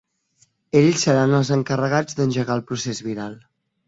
Ells seran els encarregats d’engegar el procés viral.